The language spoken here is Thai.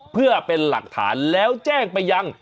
เพื่อเป็นหลักฐานแล้วแจ้งไปยัง